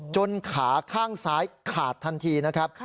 ขาข้างซ้ายขาดทันทีนะครับ